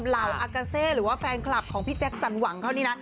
เหล่าอากาเซหรือว่าแฟนคลับของพี่แจ็คสันหวังเขานี่นะ